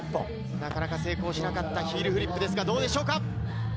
なかなか成功しなかったヒールフリップですが、どうでしょうか？